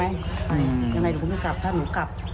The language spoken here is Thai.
ยังไงหนูก็ไม่กลับถ้าหนูกลับ